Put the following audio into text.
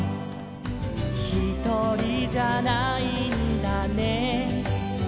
「ひとりじゃないんだね」